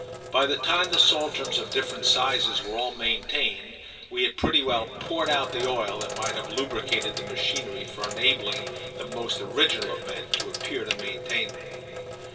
By the time the Saltrams, of different sizes, were all maintained we had pretty well poured out the oil that might have lubricated the machinery for enabling the most original of men to appear to maintain them.